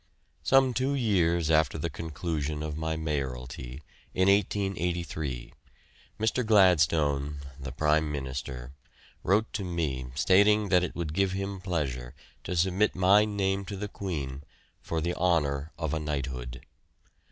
Some two years after the conclusion of my Mayoralty, in 1883, Mr. Gladstone, the Prime Minister, wrote to me stating that it would give him pleasure to submit my name to the Queen for the honour of a knighthood.